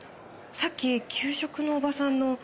さっき給食のおばさんの。